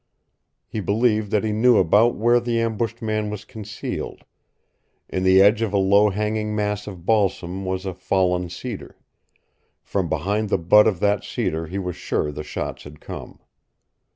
He believed that he knew about where the ambushed man was concealed. In the edge of a low hanging mass of balsam was a fallen cedar. From behind the butt of that cedar he was sure the shots had come.